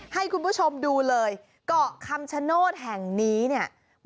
ให้คุณผู้ชมดูเลยเกาะคำชโนธแห่งนี้เนี่ย